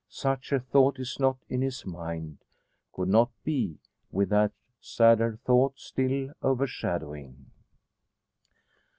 Such a thought is not in his mind; could not be, with that sadder thought still overshadowing.